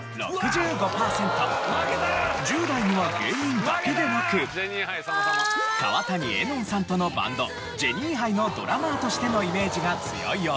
１０代には芸人だけでなく川谷絵音さんとのバンドジェニーハイのドラマーとしてのイメージが強いようです。